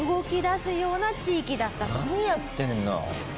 何やってんの。